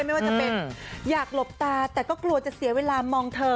ไม่ว่าจะเป็นอยากหลบตาแต่ก็กลัวจะเสียเวลามองเธอ